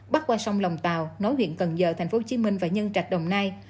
bắt qua sông lòng tàu nối huyện cần giờ tp hcm và nhân trạch đồng nai